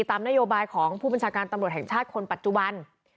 ตามนโยบายของผู้บัญชาการตำรวจแห่งชาติคนปัจจุบัน